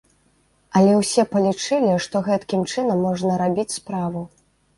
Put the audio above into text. Але ўсе палічылі, што гэткім чынам можна рабіць справу.